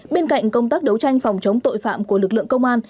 bên cạnh công tác đấu tranh phòng chống tội phạm của lực lượng công an